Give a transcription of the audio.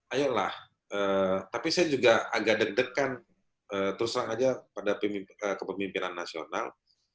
ayolah tapi saya juga agak deg degan terus terang aja pada kepemimpinan nasional